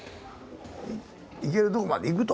いけるとこまでいくと。